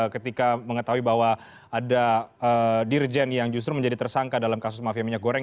ketika mengetahui bahwa ada dirjen yang justru menjadi tersangka dalam kasus mafia minyak goreng